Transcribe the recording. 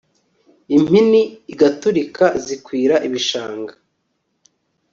Impini igaturika zikwira ibishanga